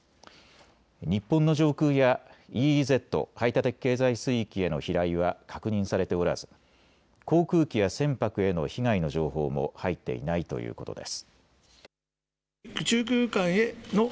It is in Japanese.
日本の上空やＥＥＺ・排他的経済水域への飛来は確認されておらず航空機や船舶への被害の情報も入っていないということです。